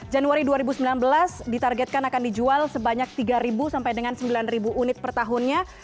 januari dua ribu sembilan belas ditargetkan akan dijual sebanyak tiga sampai dengan sembilan unit per tahunnya